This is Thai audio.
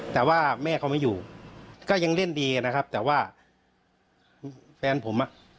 แต่ว่าแม่เขาไม่อยู่ก็ยังเล่นดีนะครับแต่ว่าแฟนผมอ่ะ